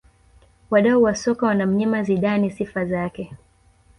Wadau wa soka wanamnyima Zidane sifa zake